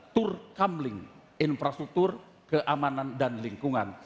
tur kamling infrastruktur keamanan dan lingkungan